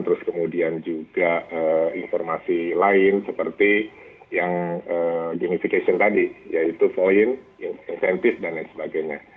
terus kemudian juga informasi lain seperti yang gamification tadi yaitu foin incentive dan lain sebagainya